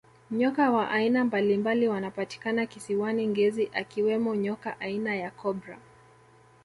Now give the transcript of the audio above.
nyoka wa aina mbalimbali wanapatikana kisiwani ngezi akiwemo nyoka aina ya cobra